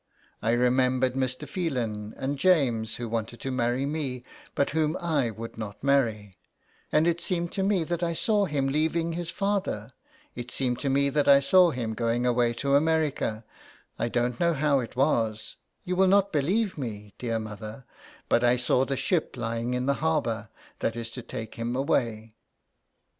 I re membered Mr. Phelan, and James, who wanted to marry me, but whom 1 would not marry ; and it seemed to me that I saw him leaving his father — it seemed to me that I saw him going away to America I don't know how it was — you will not believe me, dear mother — but I saw the ship lying in the harbour, that is to take him away.